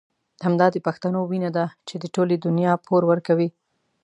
همدا د پښتنو وينه ده چې د ټولې دنيا پور ورکوي.